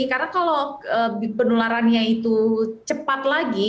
karena kalau penularannya itu cepat lagi